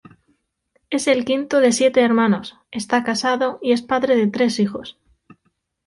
Es el quinto de siete hermanos, está casado y es padre de tres hijos.